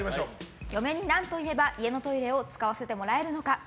嫁に何て言えば家のトイレを使わせてもらえるのか？